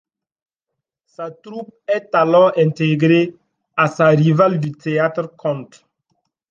Sa troupe est alors intégrée à sa rivale du théâtre Comte.